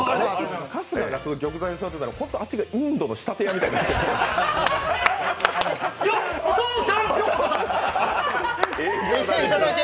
春日が玉座に座ってたら、あっちがインドの仕立屋みたいになってる。